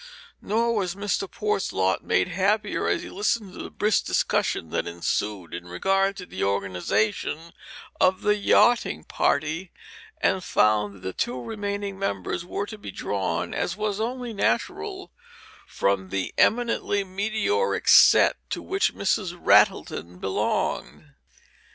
Nor was Mr. Port's lot made happier as he listened to the brisk discussion that ensued in regard to the organization of the yachting party, and found that its two remaining members were to be drawn, as was only natural, from the eminently meteoric set to which Mrs. Rattleton belonged.